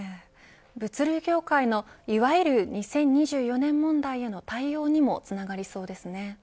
物流業界のいわゆる２０２４年問題への対応にもつながりそうですね。